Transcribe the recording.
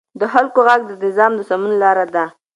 د خلکو غږ د نظام د سمون لار ده